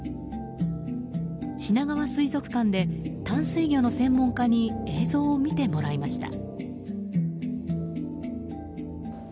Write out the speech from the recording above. しながわ水族館で淡水魚の専門家に映像を見てもらいました。